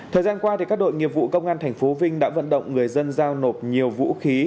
thời gian qua các đội nghiệp vụ công an tp vinh đã vận động người dân giao nộp nhiều vũ khí